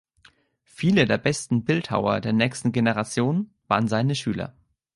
Viele der besten Bildhauer der nächsten Generation waren seine Schüler.